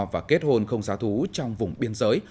và kết hôn không giá thú trong vùng biên giới